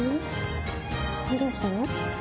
どうしたの？